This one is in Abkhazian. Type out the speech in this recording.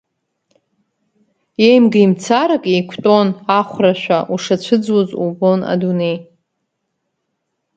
Еимгеимцарак, еиқәтәон ахәрашәа, ушацәыӡуаз убон Адунеи.